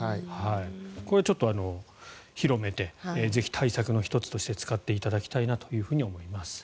これは広めてぜひ対策の１つとして使っていただきたいなと思います。